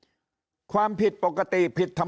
ยิ่งอาจจะมีคนเกณฑ์ไปลงเลือกตั้งล่วงหน้ากันเยอะไปหมดแบบนี้